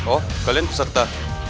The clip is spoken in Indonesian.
oh kalian peserta